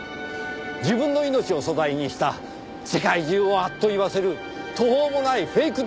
自分の命を素材にした世界中をあっと言わせる途方もないフェイク